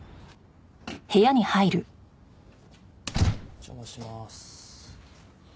お邪魔します。